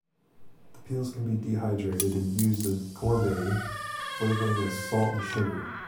The peels can be dehydrated and used as gourmet flavoring with salt and sugar.